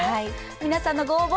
皆さんのご応募